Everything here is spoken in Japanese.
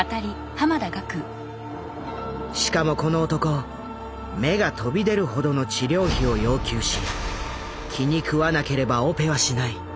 しかもこの男目が飛び出るほどの治療費を要求し気に食わなければオペはしない。